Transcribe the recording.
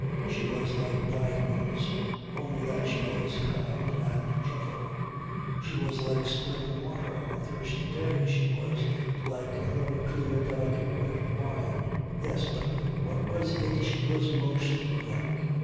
She was like diamonds, only that she was kind and gentle. She was like spring water on a thirsty day. She was like a very clear, delicate white wine. Yes; but what was it she was most like?